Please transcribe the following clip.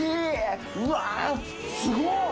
うわすごっ！